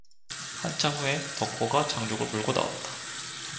한참 후에 덕 호가 장죽을 물고 나왔다.